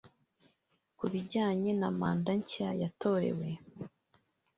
Ku bijyanye na manda nshya yatorewe